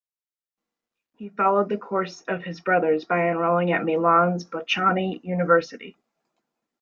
He followed the course of his brothers by enrolling at Milan's Bocconi University.